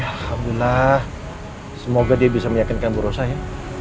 alhamdulillah semoga dia bisa meyakinkan buruh saya